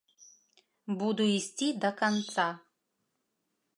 Буду ісці да канца.